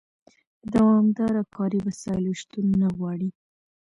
د دوامداره کاري وسایلو شتون نه غواړي.